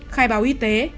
khai báo y tế